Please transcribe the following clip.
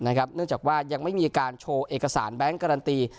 เนื่องจากว่ายังไม่มีการโชว์เอกสารแบงค์การันตี